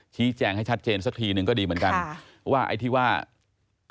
ชี้แจงให้ชัดเจนสักทีหนึ่งก็ดีเหมือนกันค่ะว่าไอ้ที่ว่า